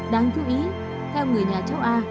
đáng chú ý theo người nhà cháu a